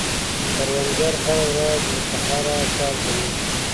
کروندګر هره ورځ له سهاره کار کوي